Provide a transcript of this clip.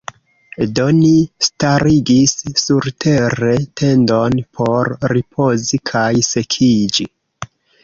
Do ni starigis surtere tendon por ripozi kaj sekiĝi.